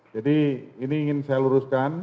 jadi ini ingin saya luruskan